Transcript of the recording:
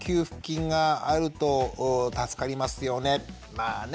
まあね